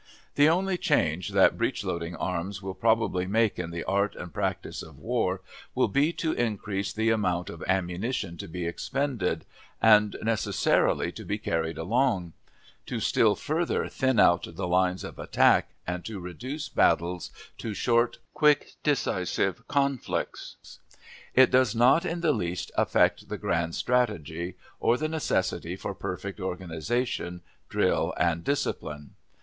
The only change that breech loading arms will probably make in the art and practice of war will be to increase the amount of ammunition to be expended, and necessarily to be carried along; to still further "thin out" the lines of attack, and to reduce battles to short, quick, decisive conflicts. It does not in the least affect the grand strategy, or the necessity for perfect organization, drill, and discipline.